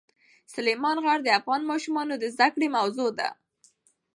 سلیمان غر د افغان ماشومانو د زده کړې موضوع ده.